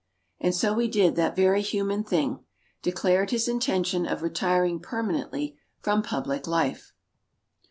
And so he did that very human thing declared his intention of retiring permanently from public life.